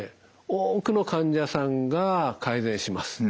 多くの患者さんが改善します。